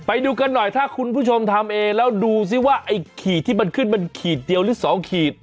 ไปดูกันหน่อยถ้าคุณผู้ชมทำเองแล้วดูซิว่าไอ้ขีดที่มันขึ้นมันขีดเดียวหรือ๒ขีด